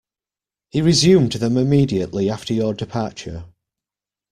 He resumed them immediately after your departure.